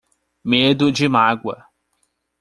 Medo de mágoa